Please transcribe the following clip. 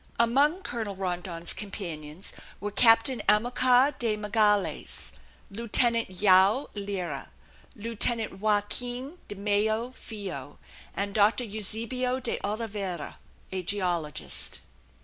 Among Colonel Rondon's companions were Captain Amilcar de Magalhaes, Lieutenant Joao Lyra, Lieutenant Joaquin de Mello Filho, and Doctor Euzebio de Oliveira, a geologist.